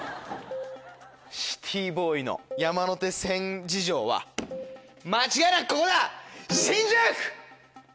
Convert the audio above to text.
シティーボーイの山手線事情は間違いなくここだ！